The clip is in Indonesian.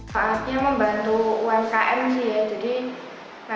soalnya membantu umkm sih ya